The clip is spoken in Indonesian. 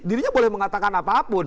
dirinya boleh mengatakan apapun